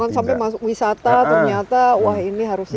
jangan sampai masuk wisata ternyata wah ini harus di